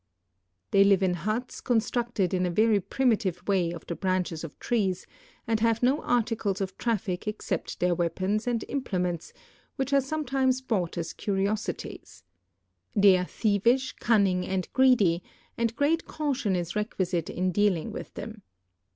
They live in huts constructed in a very primitive way of the branches of trees, and have no articles of traffic except their weapons and implements, wincii are .sometimes bougiit as curi osities. They are thievish, cunning, and greedy, and great cau tion is requisite in dealing with them.